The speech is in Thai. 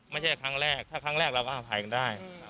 ไม่ใช่ครั้งแรกถ้าครั้งแรกเราก็อภัยกันได้